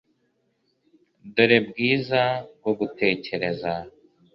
Dore bwiza bwo gutekereza